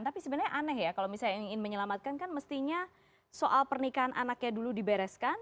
tapi sebenarnya aneh ya kalau misalnya ingin menyelamatkan kan mestinya soal pernikahan anaknya dulu dibereskan